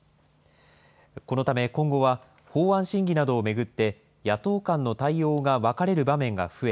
このため今後は、法案審議などを巡って野党間の対応が分かれる場面が増え、